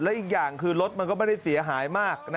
และอีกอย่างคือรถมันก็ไม่ได้เสียหายมาก